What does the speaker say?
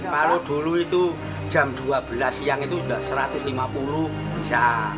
kalau dulu itu jam dua belas siang itu sudah satu ratus lima puluh bisa